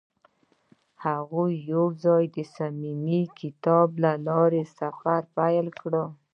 هغوی یوځای د صمیمي کتاب له لارې سفر پیل کړ.